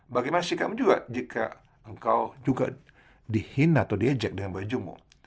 bagaimana sih kamu juga jika engkau juga dihina atau diejek dengan bajumu